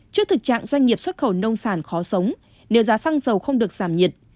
trước thực trạng doanh nghiệp xuất khẩu nông sản khó sống nếu giá xăng dầu không được giảm nhiệt